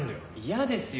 嫌ですよ